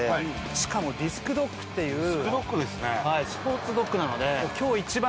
しかもディスクドッグっていうスポーツドッグなので。